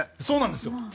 そうなんですよ。